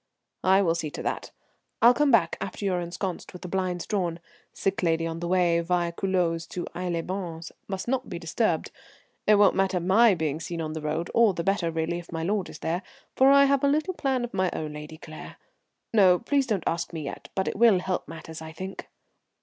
"I will see to that. I'll come back after you're ensconced, with the blinds drawn. Sick lady on the way, via Culoz to Aix les Bains, must not be disturbed. It won't matter my being seen on the road, all the better really if my lord is there, for I have a little plan of my own, Lady Claire no, please don't ask me yet but it will help matters, I think."